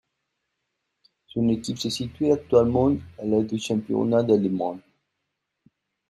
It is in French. Son équipe se situe actuellement à la du championnat allemand.